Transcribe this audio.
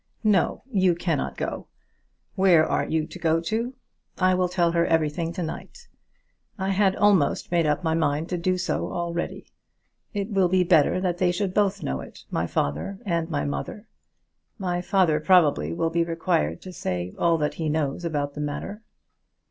"No; you cannot go. Where are you to go to? I will tell her everything to night. I had almost made up my mind to do so already. It will be better that they should both know it, my father and my mother. My father probably will be required to say all that he knows about the matter."